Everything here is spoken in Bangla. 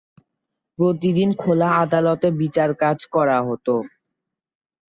প্রতিদিন খোলা আদালতে বিচার কাজ করা হত।